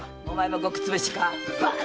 お前もごくつぶしか？